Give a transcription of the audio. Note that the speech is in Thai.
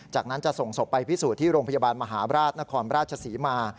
จากนั้นจะส่งศพไปพิสูจน์ที่โรงพยาบาลมหาราชนครราชศรีมา